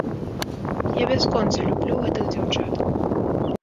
Я бясконца люблю гэтых дзяўчат.